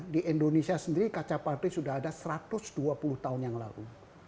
di indonesia sendiri kaca patri sudah ada satu ratus dua puluh tahun yang lalu